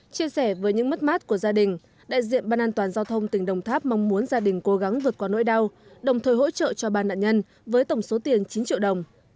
chia sẻ với những mất mát của gia đình đại diện ban an toàn giao thông tỉnh đồng tháp mong muốn gia đình cố gắng vượt qua nỗi đau đồng thời hỗ trợ cho ba nạn nhân với tổng số tiền chín triệu đồng